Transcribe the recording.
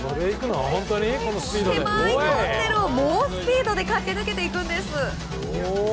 狭いトンネルを猛スピードで駆け抜けていくんです。